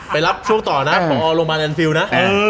ปีนี่นาของผมเป็นหวังภิวนะ